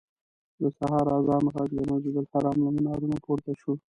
د سهار اذان غږ د مسجدالحرام له منارونو پورته شو.